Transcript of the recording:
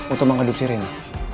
untuk mengadopsi reina